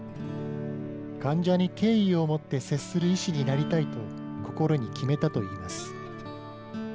患者に敬意を持って接する医師になりたいと心に決めたといいます。